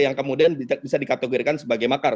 yang kemudian bisa dikategorikan sebagai makar